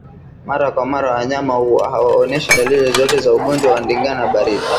Mara kwa mara wanyama hawaoneshi dalili zozote za ugonjwa wa ndigana baridi